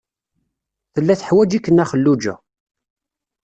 Tella teḥwaj-ik Nna Xelluǧa.